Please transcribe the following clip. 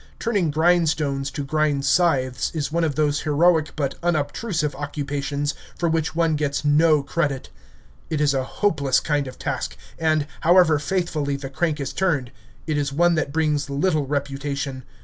Turning grindstones to grind scythes is one of those heroic but unobtrusive occupations for which one gets no credit. It is a hopeless kind of task, and, however faithfully the crank is turned, it is one that brings little reputation.